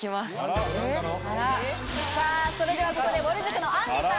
それではここでぼる塾のあんりさん。